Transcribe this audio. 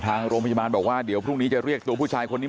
ทางโรงพยาบาลบอกว่าเดี๋ยวพรุ่งนี้จะเรียกตัวผู้ชายคนนี้